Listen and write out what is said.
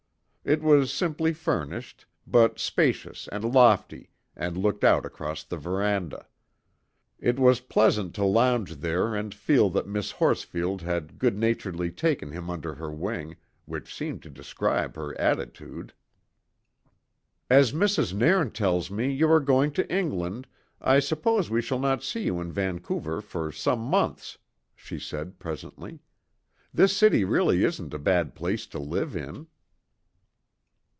It was simply furnished, but spacious and lofty and looked out across the verandah. It was pleasant to lounge there and feel that Miss Horsfield had good naturedly taken him under her wing, which seemed to describe her attitude. "As Mrs. Nairn tells me you are going to England, I suppose we shall not see you in Vancouver for some months," she said presently. "This city really isn't a bad place to live in."